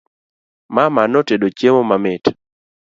Mama notedo chiemo mamit